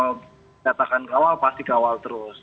keluarga akan ke awal pasti ke awal terus